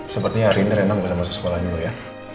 sepertinya hari ini rena mau masuk sekolah dulu ya